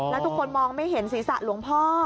แล้วทุกคนมองไม่เห็นศีรษะหลวงพ่อ